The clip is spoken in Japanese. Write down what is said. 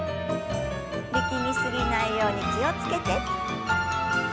力み過ぎないように気を付けて。